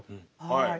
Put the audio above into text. はい。